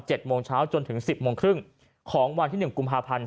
โมงเช้าจนถึงสิบโมงครึ่งของวันที่หนึ่งกุมภาพันธ์